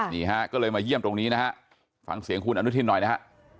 นี่ฮะก็เลยมาเยี่ยมตรงนี้นะฮะฟังเสียงคุณอนุทินหน่อยนะฮะ